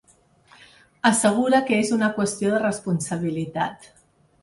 Assegura que és una qüestió de "responsabilitat".